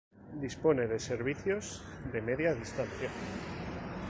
Dispone de servicios de media Distancia.